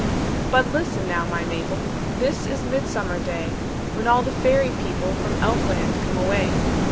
"But listen now, my Mabel, This is midsummer day, When all the fairy people From elfland come away.